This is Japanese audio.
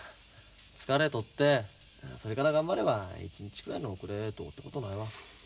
疲れ取ってそれから頑張れば一日ぐらいの遅れどうってことないわ。